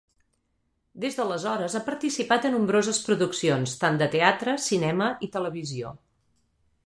Des d'aleshores ha participat a nombroses produccions, tant de teatre, cinema i televisió.